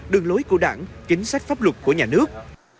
đường lối của đảng chính sách pháp luật của nhà nước